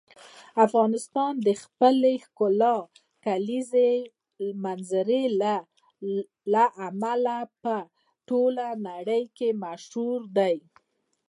افغانستان د خپلې ښکلې کلیزو منظره له امله په ټوله نړۍ کې مشهور دی.